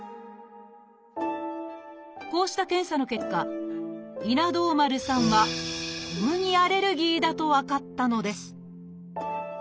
こうした検査の結果稲童丸さんは小麦アレルギーだと分かったのです